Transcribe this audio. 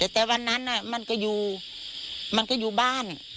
แต่วันนั้นมันก็อยู่มันก็อยู่บ้าน